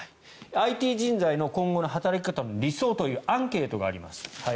ＩＴ人材の今後の働き方の理想というアンケートがあります。